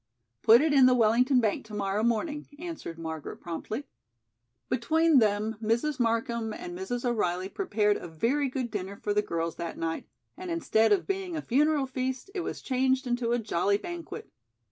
"Put it in the Wellington Bank to morrow morning," answered Margaret promptly. Between them, Mrs. Markham and Mrs. O'Reilly prepared a very good dinner for the girls that night, and instead of being a funeral feast it was changed into a jolly banquet.